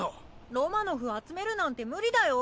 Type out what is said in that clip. ロマノフを集めるなんてムリだよ！